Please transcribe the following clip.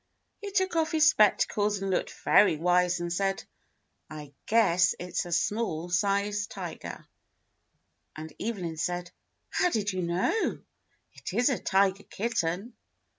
He took off his spectacles and looked very wise and said, "I guess it's a small sized tiger." And Evelyn said, *'How did you know? It is a tiger kitten."